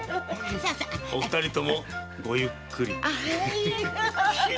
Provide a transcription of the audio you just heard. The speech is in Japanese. お二人ともごゆっくり。